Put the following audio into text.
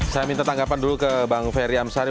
saya minta tanggapan dulu ke bang ferry amsari